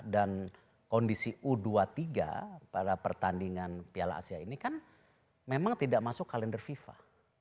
dan kondisi u dua puluh tiga pada pertandingan piala asia ini kan memang tidak masuk kalender fifa